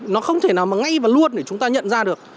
nó không thể nào mà ngay và luôn để chúng ta nhận ra được